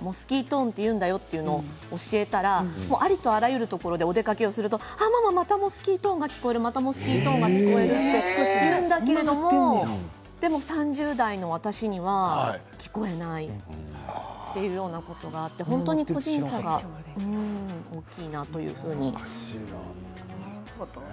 モスキート音というんだよというのを教えたらありとあらゆるところでお出かけをするとまたモスキート音が聞こえるって言うんだけれどもでも３０代の私には聞こえないというようなことがあって本当に個人差が大きいなというふうに感じます。